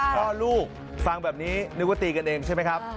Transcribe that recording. พ่อลูกฟังแบบนี้นึกว่าตีกันเองใช่ไหมครับ